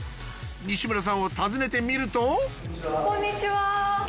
西村さんを訪ねてみるとこんにちは。